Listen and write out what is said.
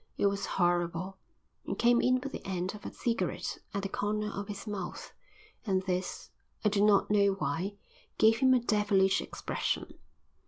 It was horrible. He came in with the end of a cigarette at the corner of his mouth, and this, I do not know why, gave him a devilish expression.